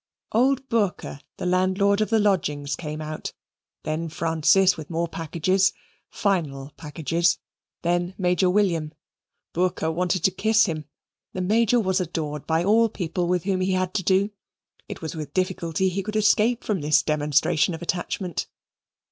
Old Burcke, the landlord of the lodgings, came out, then Francis, with more packages final packages then Major William Burcke wanted to kiss him. The Major was adored by all people with whom he had to do. It was with difficulty he could escape from this demonstration of attachment.